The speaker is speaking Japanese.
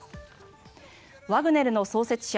ワグネルの創設者